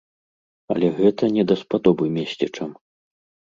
Але гэта не даспадобы месцічам.